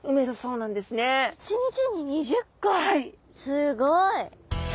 すごい！